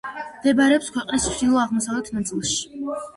მდებარეობს ქვეყნის ჩრდილო-აღმოსავლეთ ნაწილში.